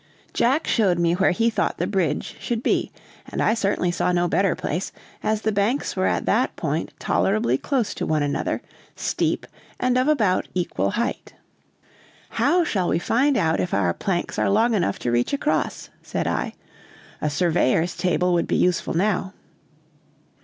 Jack showed me where he thought the bridge should be, and I certainly saw no better place, as the banks were at that point tolerably close to one another, steep, and of about equal height. "How shall we find out if our planks are long enough to reach across?" said I. "A surveyor's table would be useful now."